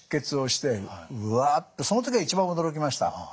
その時が一番驚きました。